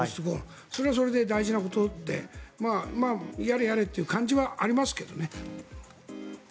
それはそれで大事なことでやれやれという感じはありますけどね。